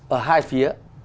ở hai phía